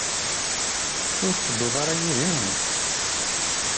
Ur tettedduḍ ara yid-i?